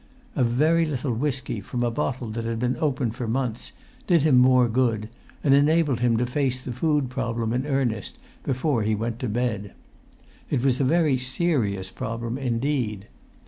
A very little whisky, from a bottle that had been open for months, did him more good, and enabled him to face the food problem in earnest before he went to bed. It was a very serious problem indeed.